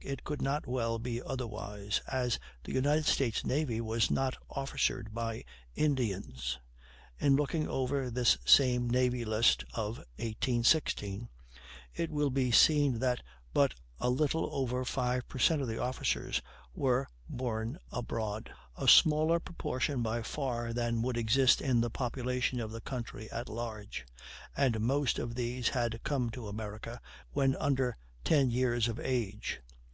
It could not well be otherwise, as the United States Navy was not officered by Indians. In looking over this same Navy List (of 1816) it will be seen that but a little over 5 per cent, of the officers were born abroad a smaller proportion by far than would exist in the population of the country at large and most of these had come to America when under ten years of age.